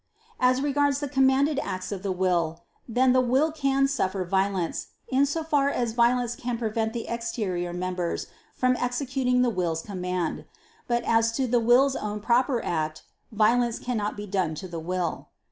As regards the commanded acts of the will, then, the will can suffer violence, in so far as violence can prevent the exterior members from executing the will's command. But as to the will's own proper act, violence cannot be done to the will.